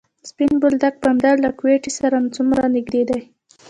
سپین بولدک بندر له کویټې سره څومره نږدې دی؟